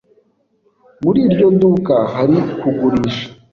Muri iryo duka hari kugurisha.